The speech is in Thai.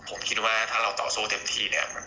ผมคิดว่าถ้าเราต่อสู้เต็มที่เนี่ย